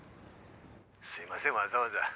すいませんわざわざ。